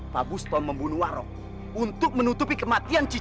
pak buston membunuh warog untuk menutupi kematian dia